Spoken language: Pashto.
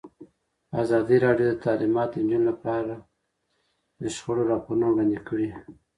ازادي راډیو د تعلیمات د نجونو لپاره په اړه د شخړو راپورونه وړاندې کړي.